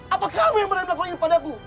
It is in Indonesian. apa kamu yang berani melakukan ini padaku